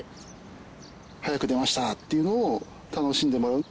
早く出ましたっていうのを楽しんでもらう。